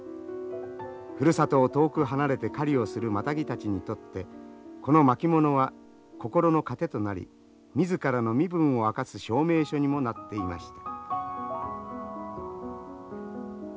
ふるさとを遠く離れて狩りをするマタギたちにとってこの巻物は心の糧となり自らの身分を明かす証明書にもなっていました。